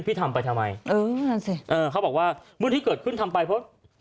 ทำไปทำไมเออนั่นสิเออเขาบอกว่าเมื่อที่เกิดขึ้นทำไปเพราะ